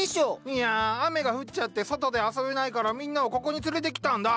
いや雨が降っちゃって外で遊べないからみんなをここに連れてきたんだ。